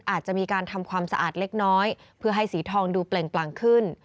อาจจะมีการทำความสะอาดเล็กน้อยเพื่อให้สีทองดูเปล่งปลังขึ้น